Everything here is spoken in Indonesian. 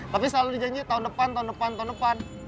tapi selalu dijanji tahun depan tahun depan tahun depan